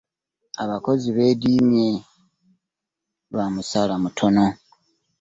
Abakozi beediimye lwa musaala mutono.